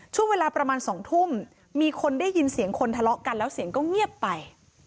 ช่วงเวลาประมาณ๒ทุ่มมีคนได้ยินเสียงคนทะเลาะกันแล้วเสียงก็เงียบไป